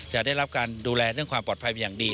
จะได้รับการดูแลเรื่องความปลอดภัยเป็นอย่างดี